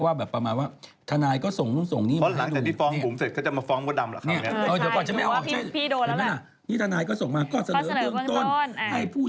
ประเทศไทยก็กว้างทำไมพี่มดจะได้คนหล่อหรือว่าทุกคนหล่อหมดในสายตาพี่มด